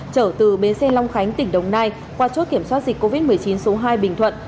trở từ bến xe long khánh tỉnh đồng nai qua chốt kiểm soát dịch covid một mươi chín số hai bình thuận